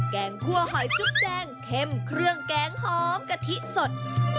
แกงคั่วหอยจุ๊บแดงเข้มเครื่องแกงหอมกะทิสด